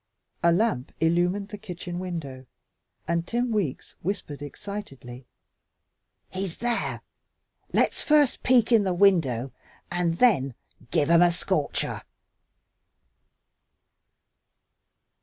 A lamp illumined the kitchen window, and Tim Weeks whispered excitedly, "He's there. Let's first peek in the window and then give 'em a scorcher."